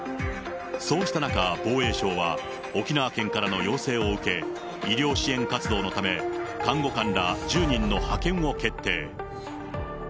そうした中、防衛省は沖縄県からの要請を受け、医療支援活動のため、看護官ら１０人の派遣を決定。